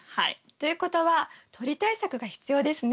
ということは鳥対策が必要ですね。